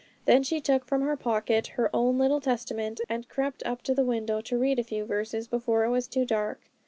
Then she took from her pocket her own little Testament, and crept up to the window to read a few verses before it was too dark.